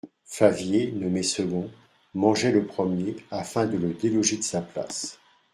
Favier, nommé second, mangeait le premier, afin de le déloger de sa place.